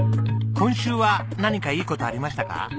今週は何かいい事ありましたか？